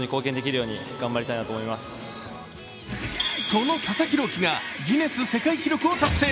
その佐々木朗希がギネス世界記録を達成。